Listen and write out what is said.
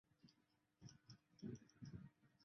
沃达丰竞技场是贝西克塔什体操俱乐部的主场。